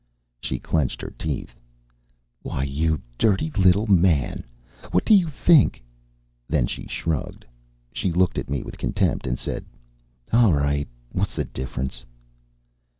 She clenched her teeth. "Why, you dirty little man! What do you think " Then she shrugged. She looked at me with contempt and said: "All right. What's the difference?"